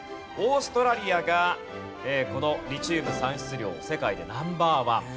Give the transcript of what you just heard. オーストラリアがこのリチウム産出量世界でＮｏ．１。